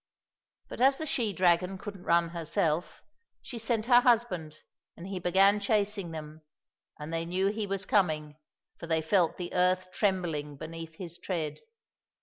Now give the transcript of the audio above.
But as the she dragon couldn't run herself, she sent her husband, and he began chasing them, and they knew he was coming, for they felt the earth trembling beneath his tread.